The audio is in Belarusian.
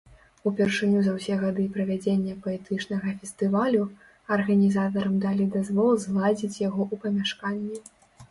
Упершыню за ўсе гады правядзення паэтычнага фестывалю арганізатарам далі дазвол зладзіць яго ў памяшканні.